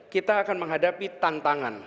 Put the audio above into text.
kita akan menghadapi tantangan